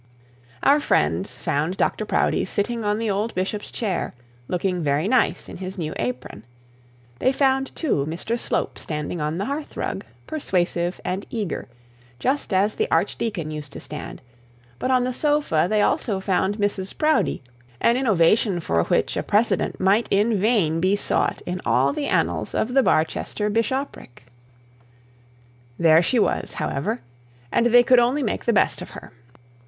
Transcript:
Our friends found Dr Proudie sitting on the old bishop's chair, looking very nice in his new apron; they found, too, Mr Slope standing on the hearthrug, persuasive and eager, just as the archdeacon used to stand; but on the sofa they also found Mrs Proudie, an innovation for which a precedent might be in vain be sought in all the annals of the Barchester bishopric! There she was, however, and they could only make the best of her.